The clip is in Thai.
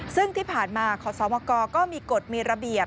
ซึ่งที่ผ่านมาขอสมกก็มีกฎมีระเบียบ